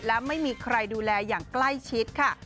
และไม่มีใครดูแลอย่างใกล้ชิดค่ะ